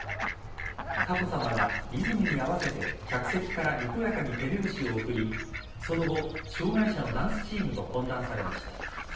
佳子さまはリズムに合わせて客席からにこやかに手拍子を送りその後、障害者のダンスチームと懇談されました。